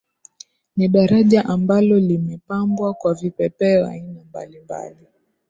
Ni daraja ambalo limepambwa kwa vipepeo aina mbalimbali